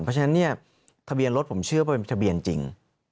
เพราะฉะนั้นเนี่ยทะเบียนรถผมเชื่อว่าเป็นทะเบียนจริง